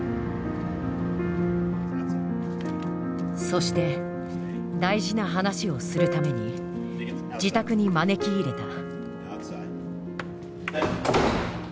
そして大事な話をするために自宅に招き入れた。